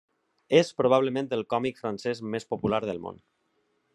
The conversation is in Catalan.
És probablement el còmic francès més popular del món.